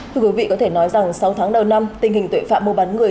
thưa quý vị có thể nói rằng sáu tháng đầu năm tình hình tội phạm mua bán người